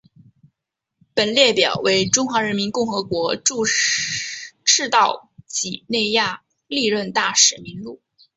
本列表为中华人民共和国驻赤道几内亚历任大使名录。